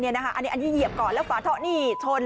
อันนี้เหยียบก่อนแล้วฝาท่อนี่ชน